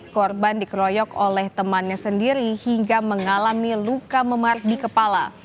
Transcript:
korban dikeroyok oleh temannya sendiri hingga mengalami luka memar di kepala